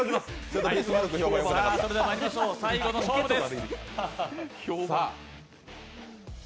それではまいりましょう最後の勝負です。